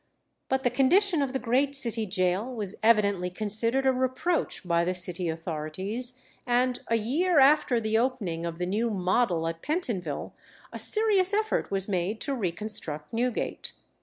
But the condition of the great city gaol was evidently considered a reproach by the city authorities, and a year after the opening of the new "model" at Pentonville, a serious effort was made to reconstruct Newgate.